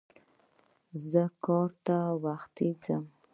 زه کار ته وختي ځم.